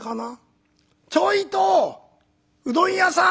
ちょいとうどん屋さん！